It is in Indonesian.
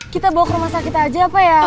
kita bawa ke rumah sakit aja apa ya